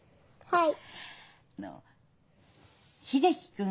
はい。